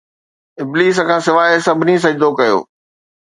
ابليس کان سواءِ سڀني سجدو ڪيو